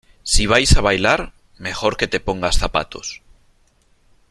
si vais a bailar , mejor que te pongas zapatos .